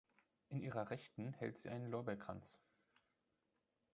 In ihrer Rechten hält sie einen Lorbeerkranz.